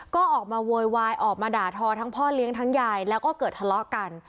ก็ออกมาโวยวายออกมาด่าทอทั้งพ่อเลี้ยงทั้งยายแล้วก็เกิดทะเลาะกัน